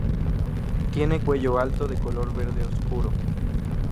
Tiene cuello alto de color verde oscuro.